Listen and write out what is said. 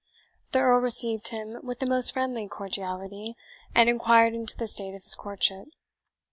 The Earl received him with the most friendly cordiality, and inquired into the state of his courtship.